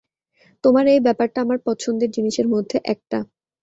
তোমার এই ব্যাপারটা আমার পছন্দের জিনিসের মধ্যে একটা।